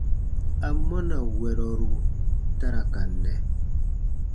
Amɔna wɛrɔru ta ra ka nɛ?